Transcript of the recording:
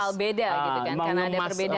asal beda gitu kan karena ada perbedaan itu